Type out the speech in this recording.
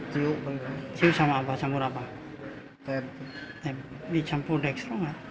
dicampur deksel nggak